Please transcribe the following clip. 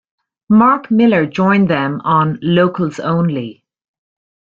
Mark Miller joined them on "Locals Only.